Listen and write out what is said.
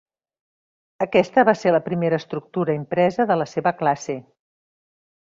Aquesta va ser la primera estructura impresa de la seva classe.